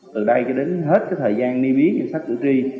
từ đây cho đến hết thời gian ni biến danh sách cử tri